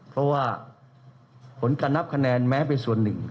เพราะว่าผลการนับคะแนนแม้เป็นส่วนหนึ่ง